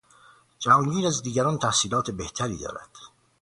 جهانگیر از دیگران تحصیلات بهتری دارد.